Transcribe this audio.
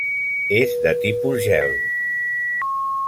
És de tipus gel.